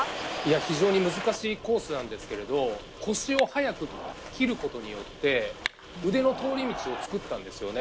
非常に難しいコースなんですけど腰を早く切ることによって腕の通り道を作ったんですよね。